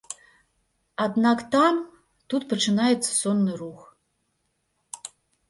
Аднак там, тут пачынаецца сонны рух.